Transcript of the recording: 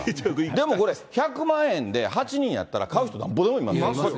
でもこれ、１００万円で８人やったら買う人なんぼでもいますよ。